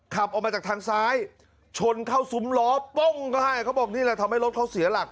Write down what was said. ขับออกมาจากทางซ้ายชนเข้าซุ้มล้อป้งก็ให้เขาบอกนี่แหละทำให้รถเขาเสียหลัก